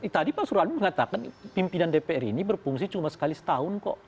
tadi pak suradi mengatakan pimpinan dpr ini berfungsi cuma sekali setahun kok